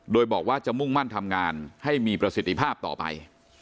โดยบอกว่าจะมุ่งมั่นทำงานให้มีประสิทธิภาพต่อไป